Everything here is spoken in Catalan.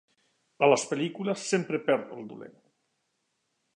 A les pel·lícules sempre perd el dolent.